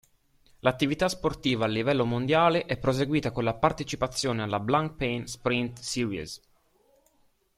L'attività sportiva a livello mondiale è proseguita con la partecipazione alla "Blancpain Sprint Series".